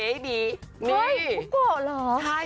เฮ้ยพี่ปุ๊กโกหรอ